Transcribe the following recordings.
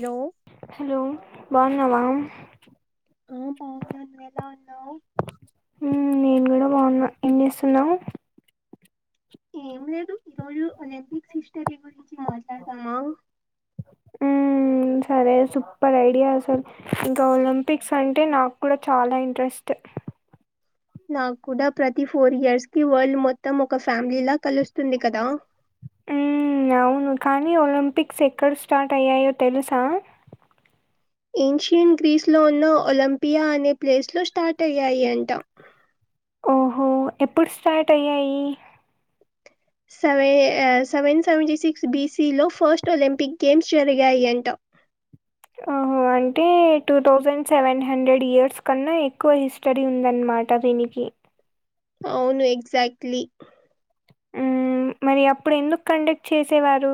Hello hello బాగున్నావా ఆ బాగున్నాను నువ్వెలా ఉన్నావు ఉమ్ నేను కూడా బాగున్నా ఏం చేస్తున్నావు ఏం లేదు ఈరోజు ఒలింపిక్స్ హిస్టారీ గురించి మాట్లాడదామా మ్మ్, సరే సూపర్ ఐడియా అసలు ఇంకా ఒలింపిక్స్ అంటే నాకు కూడా చాలా ఇంట్రెస్ట్ [inaudible] నాకు కూడా ప్రతి ఫోర్ ఇయర్స్ కి వరల్డ్ మొత్తం ఒక ఫ్యామిలీ లా కలుస్తుంది కదా ఊమ్ అవును కానీ ఒలింపిక్స్ ఎక్కడ స్టార్ట్ అయ్యాయో తెలుసా ఏన్షియన్ గ్రీస్లో ఉన్న ఒలింపియా అనే ప్లేస్లో స్టార్ట్ అయ్యాయి అంట ఓహో ఎప్పుడు స్టార్ట్ అయ్యాయి సెవె సెవెన్ సెవెంటీ సిక్స్ బిసి లో ఫస్ట్ ఒలింపిక్ గేమ్స్ జరిగాయి అంట [inaudible] ఓహో అంటే two thousand seven hundred years కన్నా ఎక్కువ హిస్టరీ ఉందన్నమా టా దీనికి అవును ఎక్జాక్ట్లీ మ్ మరి అప్పుడు ఎందుకు కండక్ట్ చేసేవారు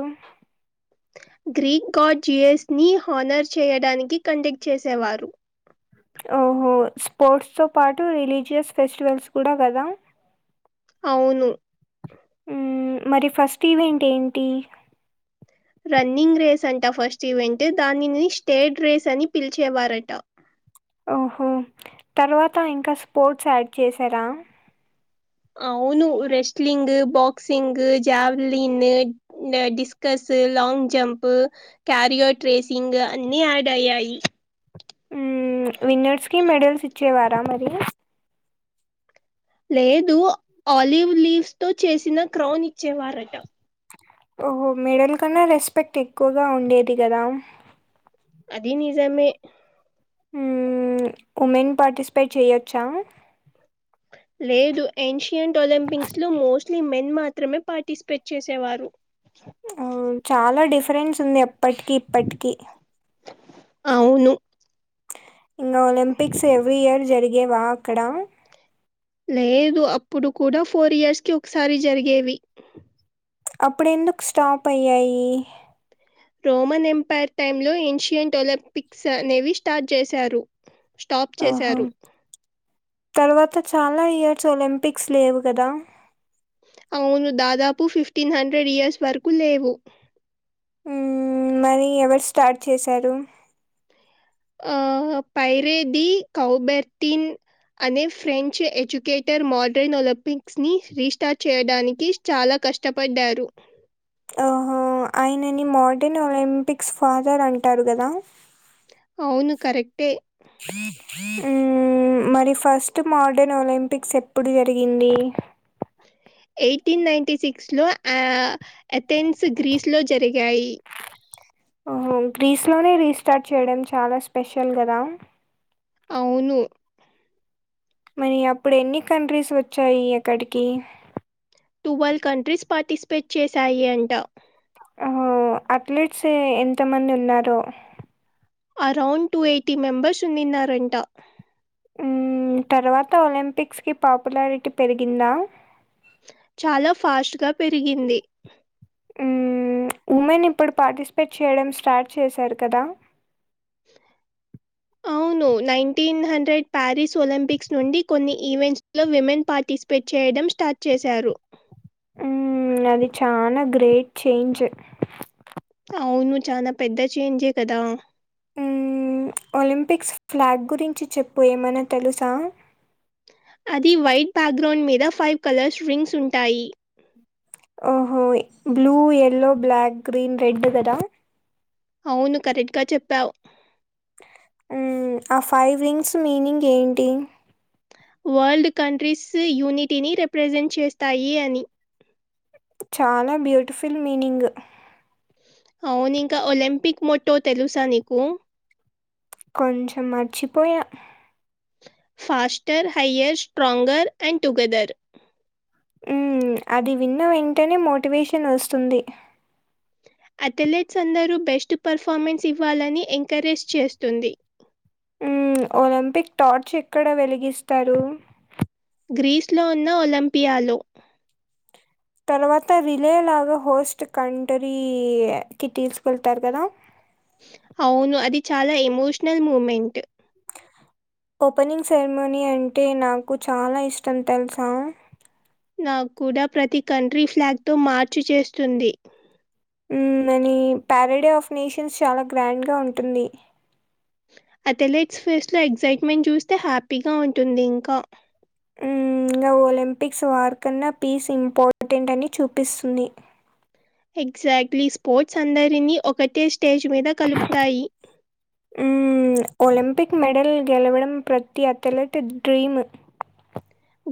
గ్రీక్ గాడ్జీఎస్ ని హానర్ చేయడానికి కండక్ట్ చేసేవారు ఓహో స్పోర్ట్స్ తో పాటు రిలీజియస్ ఫెస్టివల్స్ కూడా కదా అవును మ్ మరి ఫస్ట్ ఈవెంట్ ఏంటి రన్నింగ్ రేస్ అంట ఫస్ట్ ఈవెంట్ దానిని స్టేడ్ రేస్ అని పిలిచేవారట ఓహో తర్వాత ఇంకా స్పోర్ట్స్ యాడ్ చేసారా అవును రెస్ట్లింగ్ బాక్సింగ్ జావ్లిన్ నే డిస్కస్ లాంగ్ జంప్ క్యారియో ట్రేసింగ్ అన్ని యాడ్ అయ్యాయి మ్ విన్నర్స్ కి మెడల్స్ ఇచ్చేవారా మరి లేదు ఆలివ్ లీవ్స్ తో చేసిన క్రౌన్ ఇచ్చేవారట ఓహో మెడల్ కన్నా రెస్పెక్ట్ ఎక్కువగా ఉండేది కదా అదీ నిజమే మ్ ఉమెన్ పార్టిసిపేట్ చేయొచ్చా లేదు ఏన్షియంట్ ఒలింపిక్స్ లో మోస్ట్లీ మెన్ మాత్రమే పార్టిసిపేట్ చేసేవారు ఓహ్! చాలా డిఫరెన్స్ ఉంది అప్పటికిీ ఇప్పటికీ అవును ఒలింపిక్స్ ఎవ్రీ ఇయర్ జరిగేవా అక్కడ లేదు అప్పుడు కూడా ఫోర్ ఇయర్స్ కి ఒకసారి జరిగేవి అప్పుడు ఎందుకు స్టాప్ అయ్యాయి రోమన్ ఎంపైర్ టైమ్ లో ఏన్షియంట్ ఒలింపిక్స్ అనేవి స్టార్ట్ చేశారు స్టాప్ ఓహో! చేశారు తర్వాత చాలా ఇయర్స్ ఒలింపిక్స్ లేవు కదా అవును దాదాపు ఫిఫ్టీన్ హండ్రెడ్ ఇయర్స్ వరకు లేవు మ్ మరీ ఎవరు స్టార్ట్ చేశారు మ్ పైరేది కౌబెర్తన్ అనే ఫ్రెంచ్ ఎడ్యుకేటర్ మోడ్రైన్ ఒలింపిక్స్ ని రీస్టార్ట్ చేయడానికి చాలా కష్టపడ్డారు ఓహో ఆయనని మోడర్న్ ఒలింపిక్స్ ఫాదర్ అంటారు కదా అవును కరెక్టే మ్ మరి ఫస్ట్ మోడర్న్ ఒలింపిక్స్ ఎప్పుడు జరిగింది ఎయిటీన్ నైన్టీ సిక్స్ లో ఆ అథెన్స్ గ్రీస్ లో జరిగి ఎయి ఓహో గ్రీస్ లోనే రీస్టార్ట్ చేయడం చాలా స్పెషల్ కదా అవును మరి అప్పుడు ఎన్ని కంట్రీస్ వచ్చాయి అక్కడికి టువెల్వ్ కంట్రీస్ పార్టిసిపేట్ చేశాయి అంట ఆ అథ్లెట్స్ ఎంత మంది ఉన్నారో అరౌండ్ టూ ఎయిటీ మెంబర్స్ ఉన్నిన్నారంట మ్ తర్వాత ఒలింపిక్స్ కి పాపులారిటీ పెరిగిందా చాలా ఫాస్ట్ గా పెరిగింది ఉమెన్ ఇప్పుడు పార్టిసిపేట్ చేయడం స్టార్ట్ చేశారు కదా ను నైన్టీన్ హండ్రెడ్ ప్యారిస్ ఒలింపిక్స్ నుండి కొన్ని ఈవెంట్స్ లో విమెన్ పార్టిసిపేట్ చేయడి డం స్టార్ట్ చేశారు ఉ అది చానా గ్రేట్ చేంజ్ అవును చాలా పెద్ద చేంజే కదా ఉ ఒలింపిక్స్ ఫ్లాగ్ గురించి చెప్పు ఏమన్నా తెలుసా. అది వైట్ బ్యాక్గ్రౌండ్ మీద ఫైవ్ కలర్స్ రింగ్స్ ఉంటాయి. ఓహో blue yellow black green red కదా అవును కరెక్ట్గా చెప్పావు ఉ ఆ ఫైవ్ రింగ్స్ మీనింగ్ ఏంటి వరల్డ్ కంట్రీస్ యూనిటీని రిప్రజెంట్ చేస్తాయి అని చాలా బ్యూటిఫుల్ మీనింగ్ అవును ఇంకా ఒలింపిక్ మొటో తెలుసా నీకు కొంచం మరిచిపోయా faster higher stronger and together ఉ అది విన్న వెంటనే మోటివేషన్ వస్తుంది అథ్లెట్స్ అందరూ బెస్ట్ పర్ఫార్మెన్స్ ఇవ్వాలని ఎంకరేజ్ చేస్తుంది. ఉ ఒలింపిక్ టార్చ్ ఎక్కడ వెలిగిస్తారు గ్రీస్లో ఉన్న ఒలింపియాలో తర్వాత రిలే లాగా హోస్ట్ కంట్రీకి తీసుకెళ్తారు కదా. అవును అది చాలా ఎమోషనల్ మూమెంట్ ఓపెనింగ్ సెరమనీ అంటే నాకు చాలా ఇష్టం తెలుసా. నాకు కూడా ప్రతి కంట్రీ ఫ్లాగ్తో మార్చ్ చేస్తుంది ఉమ్ అని ప్యారడే ఆఫ్ నేషన్స్ చాలా గ్రాండ్గా ఉంటుంది. అథ్లెట్స్ ఫేస్ట్లో ఎగ్సైట్మెంట్ చూస్తే హ్యాపీగా ఉంటుంది ఇంకా. ఉ ఇంగా ఒలింపిక్స్ వార్ కన్నా పీస్ ఇంపార్టెంట్ అని చూపిస్తుంది. ఎగ్జాక్ట్లీ స్పోర్ట్స్ అందరినీ ఒకటే స్టేజ్ మీద కలుపుతాయి హ్మ్. ఒలింపిక్ మెడల్ గెలవడం ప్రతి అథ్లెట్ డ్రీము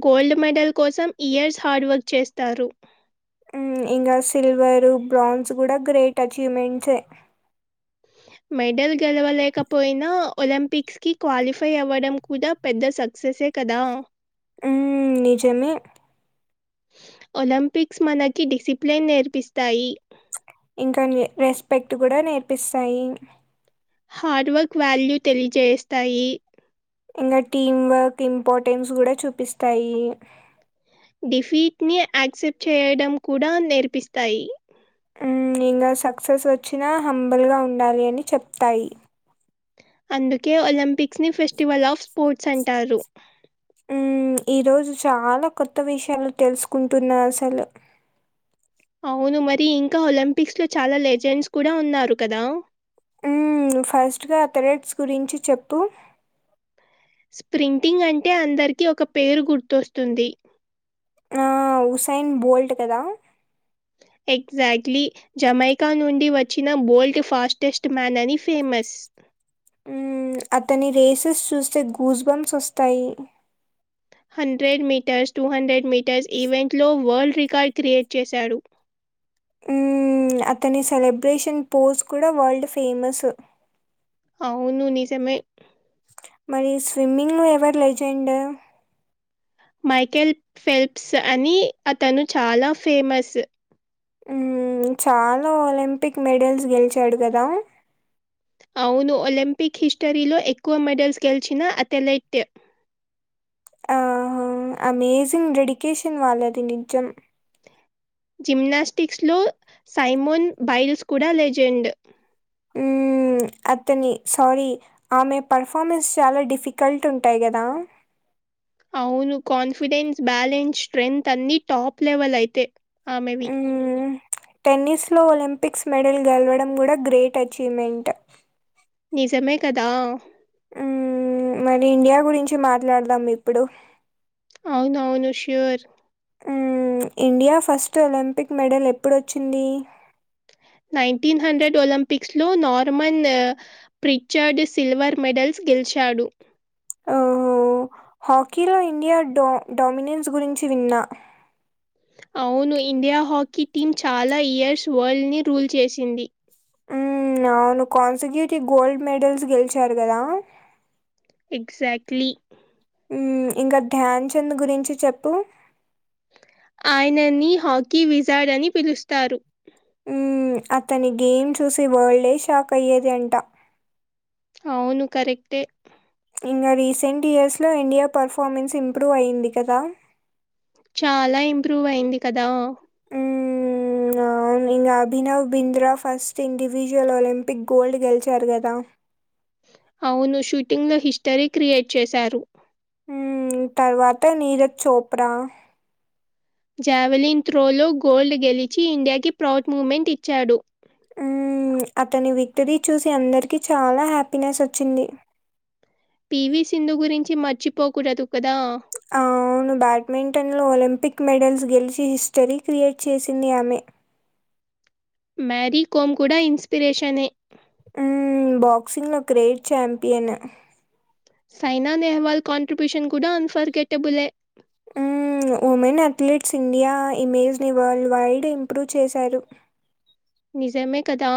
గోల్డ్ మెడల్ కోసం ఇయర్స్ హార్డ్ వర్క్ చేస్తారు. ఉమ్ ఇంకా సిల్వరు బ్రాంజ్ కూడా గ్రేట్ అచీవ్మెంట్సే. [inaudible] మెడల్ గెలవలేకపోయినా ఒలింపిక్స్కి క్వాలిఫై అవ్వడం కూడా పెద్ద సక్సెసె. కదా ఉ నిజమే ఒలింపిక్స్ మనకి డిసిప్లిన్ నేర్పిస్తాయి ఇంకా రెస్పెక్ట్ కూడా నేర్పిస్తాయి హార్డ్ వర్క్ వాల్యూ తెలియజేస్తాయి ఇంకా టీం వర్క్ ఇంపార్టెన్స్ కూడా చూపిస్తాయి డిఫీట్ని యాక్సెప్ట్ చేయడం కూడా నేర్పిస్తాయి. ఇంకా సక్సెస్ వచ్చినా హంబుల్గా ఉండాలి అని చెప్తాయి. అందుకే ఒలింపిక్స్ ని ఫెస్టివల్ ఆఫ్ స్పోర్ట్స్ అంటారు. ఉ ఈ రోజు చాలా కొత్త విషయాలు తెలుసుకుంటున్నా అసలు. అవును మరి ఇంకా ఒలింపిక్స్లో చాలా లెజెండ్స్ కూడా ఉన్నారు కదా. ఉ ఫస్ట్ గా అథలెట్స్ గురించి చెప్పు స్ప్రింటింగ్ అంటే అందరికి ఒక పేరు గుర్తొస్తుంది. ఆ హుసైన్ బోల్ట్ కదా ఎగ్జాక్ట్లీ జమైకా నుండి వచ్చిన బోల్ట్ ఫాస్టెస్ట్ మ్యాన్ అని ఫేమస్ ఉమ్ అతని రేసెస్ చూస్తే గూస్ బంస్ వస్తాయి hundred metres two hundred metres event లో వరల్డ్ రికార్డు క్రియేట్ చేశాడు ఉమ్ అతని సెలబ్రేషన్ పోజ్ కూడా వరల్డ్ ఫేమస్ అవును ని సజమే మరి స్విమ్మింగ్లో ఎవరు లేజెండు మైకేల్ ఫెల్ప్స్ అని అతను చాలా ఫేమస్ ఉమ్ చాలా ఒలింపిక్ మెడల్స్ గెలిచాడు కదా అవును ఒలింపిక్ హిస్టరీలో ఎక్కువ మెడల్స్ గెలిచిన అథ్లెట్ ఆ అమేజింగ్ డెడికేషన్ వాళ్ళది నిజం జిమ్నాస్టిక్స్ లో సైమోన్ బైల్స్ కూడా లెజెండ్ ఉమ్ అతని సారీ ఆమె పర్ఫార్మెన్స్ చాలా డిఫికల్ట్ ఉంటయి కదా అవును కాన్ఫిడెన్స్ బ్యాలెన్స్ స్ట్రెంత్ అన్ని టాప్ లెవెల్ అంతే ఆమెవి టెన్నిస్ లో ఒలింపిక్స్ మెడల్ గెలవడం కూడా గ్రేట్ అచీవ్మెంట్ నిజమే కదా ఉమ్ మరి ఇండియా గురించి మాట్లాడదాం ఇప్పుడు అవునవును sure um India first Olympic medal ఎప్పుడోచ్చింది నైన్టీన్ హండ్రెడ్ ఒలింపిక్స్ లో నార్మన్ ప్రిచర్డ్ సిల్వర్ మెడల్స్ గెలిచాడు ఆహ హాకీలో ఇండియాడ డోమినెన్స్ గురించి విన్నా అవును ఇండియా హాకీ టీం చాలా ఇయర్స్ వల్డ్ని రూల్ చేసింది ఉమ్ అవును కాన్సక్యూటివ్ గోల్డ్ మెడల్స్ గెలిచారు కదా ఎక్జాక్ట్లీ ఉమ్ ఇంకా ధ్యాన్చంద్ గురించి చెప్పు ఆయనని హాకీ విజాడ్ అని పిలుస్తారు ఉమ్ అతని గేమ్ చూసి వరల్డే షాక్ అయ్యేది అంట అవును కరెక్టే ఇంకా రీసెంట్ ఇయర్స్లో ఇండియా పర్ఫార్మెన్స్ ఇంప్రూవ్ అయ్యింది కదా చాలా ఇంప్రూవ్ అయింది కదా ఉమ్ అవున్ ఇంకా Abhinav Bindra first individual Olympic gold గెలిచారు కదా అవును షూటింగ్ లో హిస్టరీ క్రియేట్ చేశారు ఉ తర్వాత నీరజ్ చోప్రా జావెలిన్ థ్రోలో గోల్డ్ గెలిచి ఇండియాకి ప్రౌడ్ మూ్మెంట్ ఇచ్చాడు ఉమ్ అతని విక్టరీ చూసి అందరికి చాలా హ్యాపీనెస్ వచ్చింది పివి సింధు గురించి మర్చిపోకూడదు కదా! అవును బ్యాడ్మింటన్లో ఒలిం పిక్ మెడల్స్ గెలిచి హిస్టరీ క్రియేట్ చేసింది ఆమె మ్యారీ కోమ్ కూడా ఇన్స్పిరేషనే బాక్సింగ్ లో great champion. Saina Nehwal contribution కూడా అన్ఫర్గెటబులే. ఆ ఉమెన్ అథ్లెట్స్ ఇండియా ఇమేజ్ ని వరల్డ్ వైడ్ ఇంప్రూవ్ చేసారు. నిజమే కదా.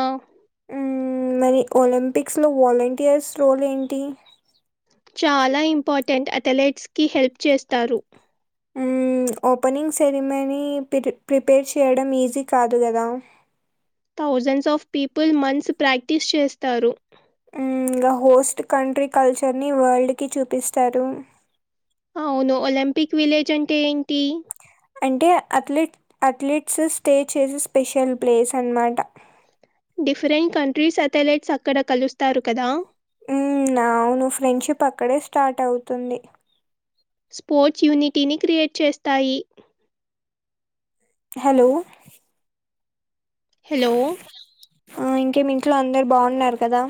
మరి ఒలింపిక్స్ లో వాలంటీయర్స్ రోల్ ఏంటి? చాలా ఇంపార్టెంట్ అథ్లెట్స్ కి హెల్ప్ చేస్తారు. హ్ ఓపెనింగ్ సెరిమనీ ప్రి ప్రిపేర్ చేయడం ఈజీ కాదు కదా. Thousands of people months practice చేస్తారు. ఇంగా హోస్ట్ కంట్రీ కల్చర్ ని వరల్డ్ కి చూపిస్తరు. అవును ఒలంపిక్ విలేజ్ అంటే ఏంటి? అంటే అథ్లెట్ అథ్లెట్స్ స్టే చేసే స్పెషల్ ప్లేస్ అనమాట. డిఫరెంట్ కంట్రీస్ అథలేట్స్ అక్కడ కలుస్తారు కదా. ఉ అవును ఫ్రెండ్షిప్ అక్కడే స్టార్ట్ అవుతుంది. స్పోర్ట్స్ యూనిటీని క్రియేట్ చేస్తాయి. హలో హలో ఆ ఇంకేమి ఇంట్లో అందరు బావున్నారు కదా.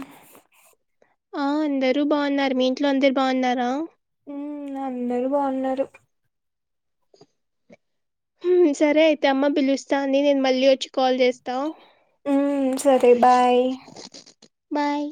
ఆ అందరు బావున్నారు. మీ ఇంట్లో అందరు బావున్నారా? ఉ అందరూ బావున్నరు. సరే అయితే అమ్మ పిలుస్తాంది, నేను మళ్ళీ వచ్చి కాల్ చేస్తా. ఉమ్, సరే బాయ్ బాయ్